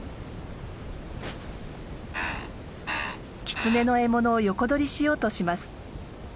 キツネの獲物を横取りしようとします。